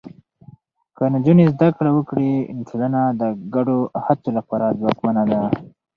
که نجونې زده کړه وکړي، نو ټولنه د ګډو هڅو لپاره ځواکمنه ده.